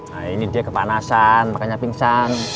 nah ini dia kepanasan makanya pingsan